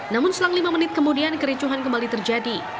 namun selang lima menit kemudian kericuhan kembali terjadi